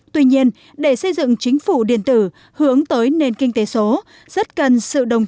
tuy nhiên để xây dựng chính phủ điện tử hướng tới nền kinh tế số